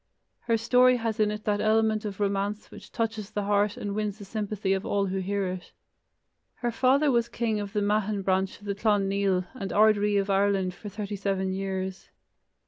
Her story has in it that element of romance which touches the heart and wins the sympathy of all who hear it. Her father was king of the Meathan branch of the Clan Nial, and ard ri of Ireland for thirty seven years.